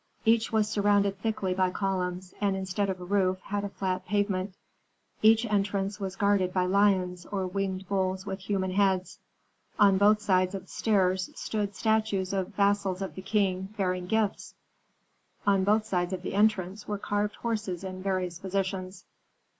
Each was surrounded thickly by columns, and instead of a roof had a flat pavement. Each entrance was guarded by lions or winged bulls with human heads. On both sides of the stairs stood statues of vassals of the king, bearing gifts; on both sides of the entrance were carved horses in various positions.